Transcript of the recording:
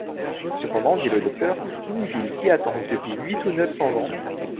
Cependant, dit le docteur, une ville qui attend depuis huit ou neuf cents ans…